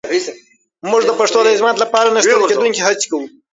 موږ د پښتو د عظمت لپاره نه ستړې کېدونکې هڅې کوو.